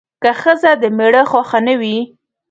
که ښځه د میړه خوښه نه وي